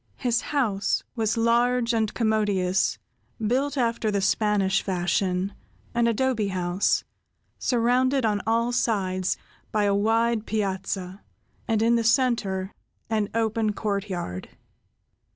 His house was large and commodious, built after the Spanish fashion—an adobe house—surrounded on all sides by a wide piazza, and in the center an open courtyard.